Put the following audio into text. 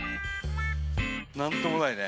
なんともないね